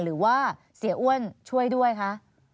หรือว่าเสียอ้วนช่วยด้วยคะ